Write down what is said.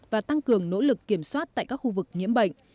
và tăng cường nỗ lực kiểm soát tại các khu vực nhiễm bệnh